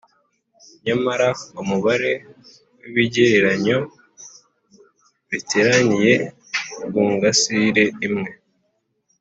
Nyamara umubare w'ibigereranyo biteraniye ku ngasire imwe